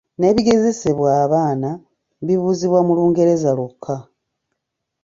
N'ebigezesebwa abaana bibuuzibwa mu Lungereza lwokka.